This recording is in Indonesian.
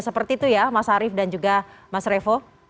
seperti itu ya mas arief dan juga mas revo